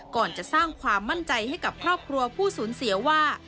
ก่อนจะสร้างความมั่นใจให้กับครอบครัวผู้สูญเสียว่า